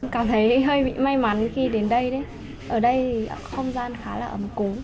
cảm thấy hơi bị may mắn khi đến đây ở đây thì không gian khá là ấm cú